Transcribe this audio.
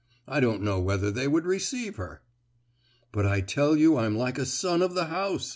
—I don't know whether they would receive her!" "But I tell you I'm like a son of the house!"